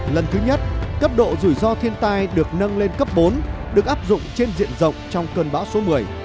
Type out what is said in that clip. lần thứ nhất cấp độ rủi ro thiên tai được nâng lên cấp bốn được áp dụng trên diện rộng trong cơn bão số một mươi